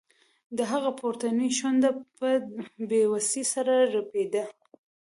د هغه پورتنۍ شونډه په بې وسۍ سره رپیده